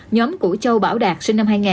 nhóm của châu bảo đạt sinh năm hai nghìn